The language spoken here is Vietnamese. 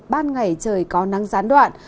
ban ngày trời có nắng gián đoạn